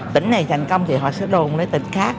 tỉnh này thành công thì họ sẽ đồn lấy tỉnh khác